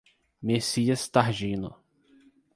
Messias Targino